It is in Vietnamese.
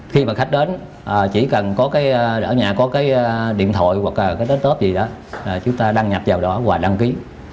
khi mà khách đến chỉ cần ở nhà có cái điện thoại hoặc cái desktop gì đó chúng ta đăng nhập vào đó và đăng ký